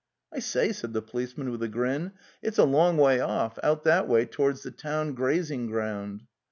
'""T say," said the policeman, with a grin, "it's a long way off, out that way towards the town graz ing ground."